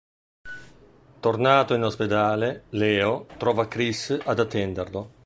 Tornato in ospedale, Leo trova Cris ad attenderlo.